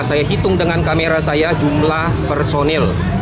saya hitung dengan kamera saya jumlah personil